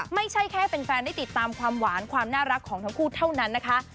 ไม่ใช่แค่แฟนได้ติดตามความหวานความน่ารักของทั้งคู่เท่านั้นนะคะ